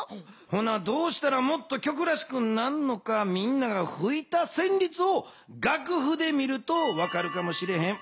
ほなどうしたらもっと曲らしくなるのかみんながふいたせんりつをがくふで見ると分かるかもしれへん。